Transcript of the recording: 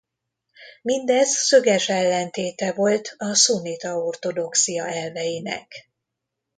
Mindez szöges ellentéte volt a szunnita ortodoxia elveinek.